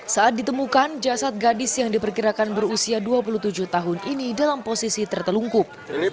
saat ditemukan jasad gadis yang diperkirakan berusia dua puluh tujuh tahun ini dalam posisi tertelungkup